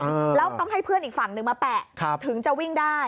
แล้วต้องให้เพื่อนอีกฝั่งหนึ่งมาแปะครับถึงจะวิ่งได้